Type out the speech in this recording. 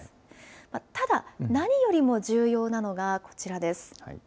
ただ、何よりも重要なのが、こちらです。